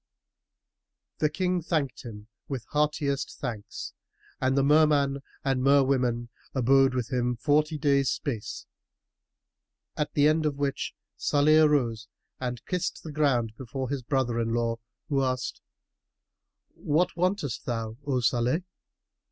The King thanked him with heartiest thanks and the Merman and Merwomen abode with him forty days' space, at the end of which Salih arose and kissed the ground before his brother in law, who asked "What wantest thou, O Salih?"